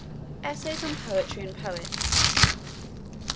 Essays on Poetry and Poets.